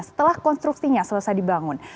setelah konstruksinya selesai dibangun